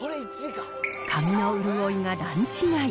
髪の潤いが段違い。